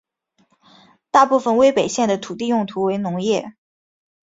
大部分威北县的土地用途为农业。